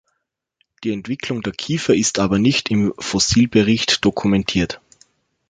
Die Entwicklung der Kiefer ist aber nicht im Fossilbericht dokumentiert.